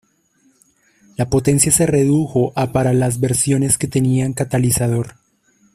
La potencia se redujo a para las versiones que tenían catalizador.